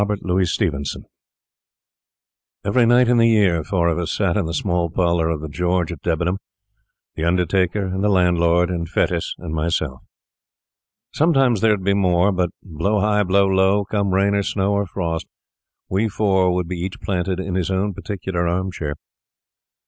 THE BODY SNATCHER EVERY night in the year, four of us sat in the small parlour of the George at Debenham—the undertaker, and the landlord, and Fettes, and myself. Sometimes there would be more; but blow high, blow low, come rain or snow or frost, we four would be each planted in his own particular arm chair.